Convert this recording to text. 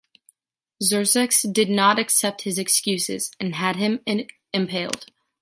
Xerxes did not accept his excuses and had him impaled.